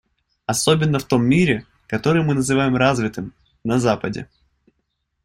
Особенно в том мире, который мы называем «развитым» - на Западе.